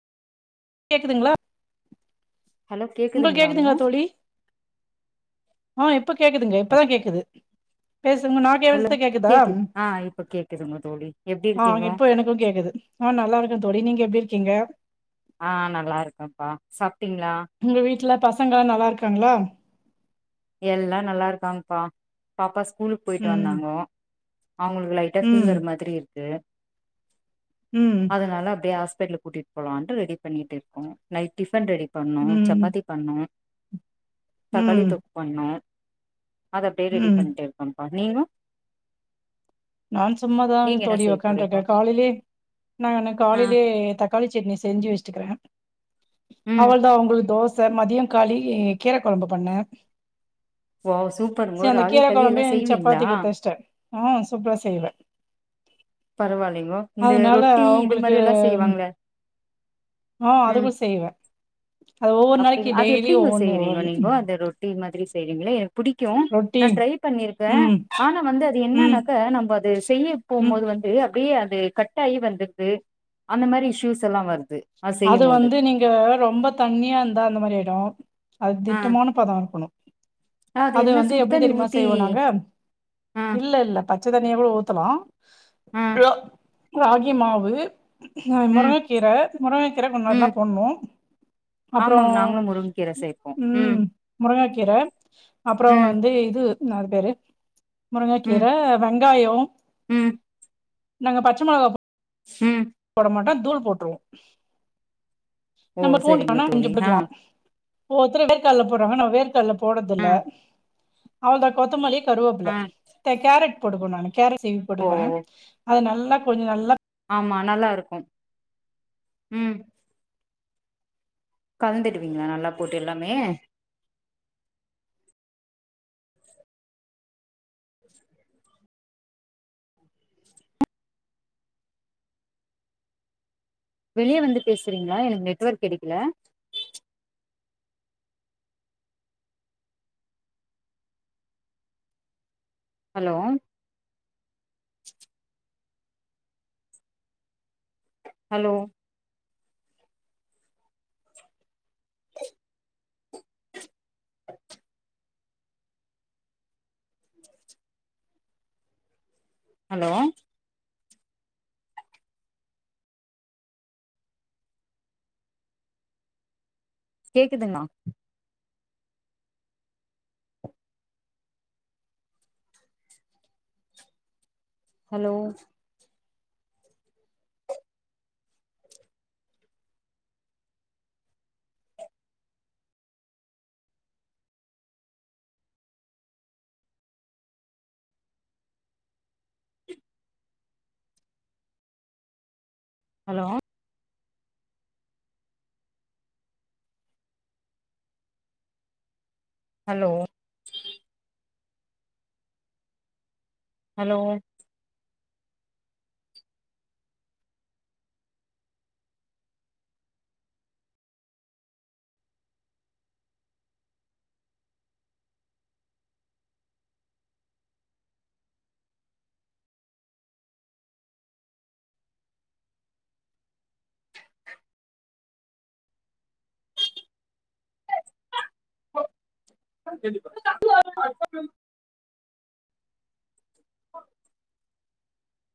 கேக்குதுங்ளா ஹலோ கேக்குதுங்களாங்க ஆஹ் இப்ப கேக்குதுங்க இப்பதா கேக்குது பேசுங்க நா ஹலோ பேஸ்த கேக்குதா கேக்குது ஆ இப்ப கேக்குதுங்க தோழி எப்டி ஆஹ் இருக்கீங்கோ இப்போ எனக்கு கேக்குது ஆஹ் நல்லா இருக்க தோழி நீங்க எப்டி இருக்கீங்க ஆஹ் நல்லா இருக்கம்பா சாப்டீங்ளா பசங்கா நல்லாருக்காங்களா எல்லா நல்லா இருக்காங்ப்பா பாப்பா ஸ்கூ ஸ்கூலுக்கு போயிட்டு ம் வந்தாங்கோ அவுங்களுக்கு லைட்டா ம் ஃபீவர் மாதிரி இருக்கு ம் அதனால அப்டியே ஆஸ் டல் கூட்டிட்டு போலான்டு ரெடி பண்ணிட்ருக்கோம் நைட் டிஃபன் ரெடி பண்ணு ம் சப்பாத்தி பண்ணு தக்காளி ம் தொக் ண்னோ அது அப்டியே ரெடி ம் பண்ணிட் இருக்கம் அ நீங்கொ நா சும்மாதாங் தோழி ஒக்கான்ருக்கே போறீங்கோ காலையிலயே நானு ஆ காலையிலயே தக்காளி சட்னி செஞ்சு வச்சுட்ருக்குறே ம் அவ்ளதா வம்புழுத்தோ ஸ் சார் மதியோ காளி கீர கொழம்பு பண்ணே ஓ சூப்பருங்கோ சரி அந்த ராகி கீர களி எல்லா கொழம்பையு செய்வீங்ளா சப்பாத்திக்கு பெசட்டே ஆ சூப்ரா செய்வே பரவாய இல்லங்கோ இந்த அதனால ரொட்டி இது அவங்களுக்கு மாரி எல்லா ம் செய்வாங்களே ஆ அதுவு செய்வே அது ஒவ்வொரு அப்டிங் நாளைக்கி அது டெய்லியு ஒவ்வொன்னு ஒவ்வொன் ப்டி செய்வீங்களா என் புடிக்கு நா ட்ரை பண்ணிருக்கே ம் ஆனா வந்து அது ம் என்னனாக்கா நம்ம அது செய்ய ம் போம்போது வந்து ந்து அப்டியே அது கட் ஆகி வந்துட்து அந்த மாரி இஷ்யூஸ் எல்லா வருது அது செய்யும் போது வந்து நீங்க ரொம்ப தண்ணியாருந்தா அந்த மாரி ஆய்டு அது ஆ திட்டமான பதொ இருக்கணு அது அத என்ன வந்து எப்டி சுடுத்தண்ணி தெரியுமா ஊத்தி செய்வோ நாங்க ஆ இல்லல்ல பத் பச்ச தண்ணிய கூட ஊத்தலா ஆ ரோ ராகி மாவு நா ம் முரங்கக்கீர முருங்கக்கீர கொஞ்ச நல்லா ம் போண்ணு அப்றோ ஆமாங்க நாங்களு முருங்கக்கீர சேப்போ ம் முருங்கக்கீர அப்பறோ ம் வந்து இது க்கு நாளு பேரு முருங்கக்கீர ம் வெங்காயோ ம் நாங்க பச்ச மொளகா போட் ம் போட மாட்டோ தூள் போட்டுருவோ ஓ நம்ம பூண்டு [unintelligible] சரிங்க தோழி ஆ போட்டுக்கலா ஒவ்வொருத்தரு வேர்க்கல்ல போட்றாங்க நா வேர்க்கல்ல ஆ போட்றதில்ல அவ்ளோ தா கொத்தமலி கருவொப்பில ஆ த கேரட் போட்டுக்குவ நானே கேரட் சீவி ஓ போட்டுப்பே அது நல்லா லா கொஞ்சோ நல்லா ஆமா நல்லாருக்கு ம் கலந்துடுவீங்களா நல்லா போட்டு எல்லாமே வெளியே வந்து பேசுறீங்களா எனக்கு நெட்வொர்க் கெடைக்கல ஹலோ ஹலோ ஹலோ கேக்குதுன்னா ஹலோ ஹலோ ஹலோ ஹலோ